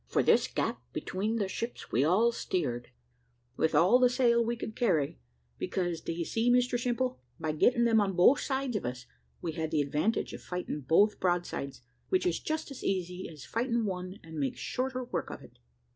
For this gap between their ships we all steered, with all the sail we could carry, because, d'ye see, Mr Simple, by getting them on both sides of us, we had the advantage of fighting both broadsides, which is just as easy as fighting one, and makes shorter work of it.